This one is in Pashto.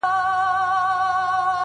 o شاعري سمه ده چي ته غواړې؛